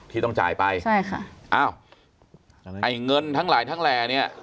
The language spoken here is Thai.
ที่ต้องจ่ายไปใช่ค่ะอ้าวไอ้เงินทั้งหลายทั้งแหล่เนี่ย